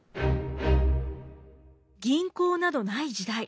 銀行などない時代。